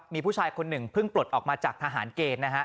มีผู้ชายคนหนึ่งเพิ่งปลดออกมาจากทหารเกณฑ์นะฮะ